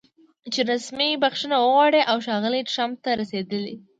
چې رسمي بښنه وغواړي او ښاغلي ټرمپ ته د رسېدلي